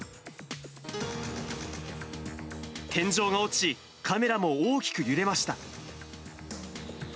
天井が落ち、カメラも大きく揺れました。